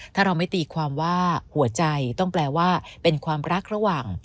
ถ้าเราไม่ตีความว่าหัวใจต้องแปลว่าเป็นความรักระหว่าง